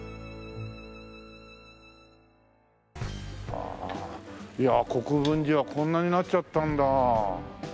ああいや国分寺はこんなになっちゃったんだ。